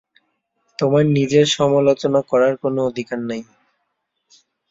তোমার নিজের সমালোচনা করার কোনো অধিকার নেই।